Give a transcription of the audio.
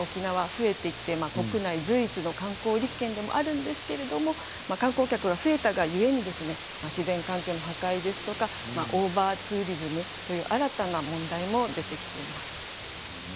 一方、観光収入沖縄は増えていって国内随一の観光立県ではあるんですが観光客が増えたが故に自然環境破壊やオーバーツーリズムという新たな問題も出てきています。